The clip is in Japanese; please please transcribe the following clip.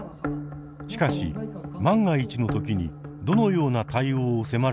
しかし万が一のときにどのような対応を迫られるのか。